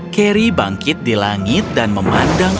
carrie bangkit di langit dan memandang awan